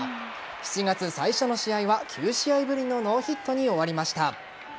７月最初の試合は９試合ぶりのノーヒットに終わりました。